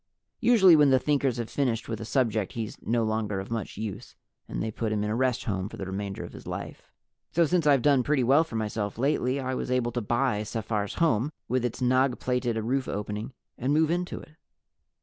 Usually when the Thinkers have finished with a subject he's no longer of much use and they put him in a rest home for the remainder of his life. So since I've done pretty well for myself lately, I was able to buy Sephar's home, with its nagh plated roof opening, and move into it.